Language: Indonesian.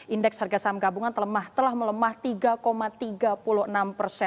indeks harga saham gabungan telah melemah tiga tiga puluh enam persen